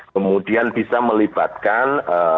kemudian bisa melibatkan